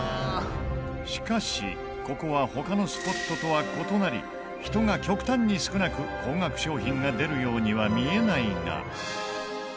しかしここは他のスポットとは異なり人が極端に少なく高額商品が出るようには見えないが。